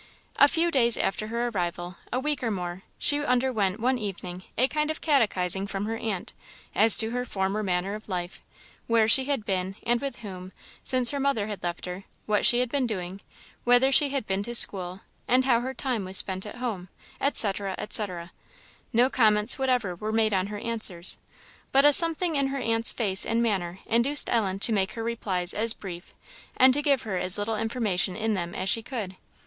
A few days after her arrival, a week or more, she underwent one evening a kind of catechizing from her aunt, as to her former manner of life; where she had been, and with whom, since her mother left her; what she had been doing; whether she had been to school, and how her time was spent at home, &c. &c. No comments whatever were made on her answers, but a something in her aunt's face and manner induced Ellen to make her replies as brief, and to give her as little information in them as she could.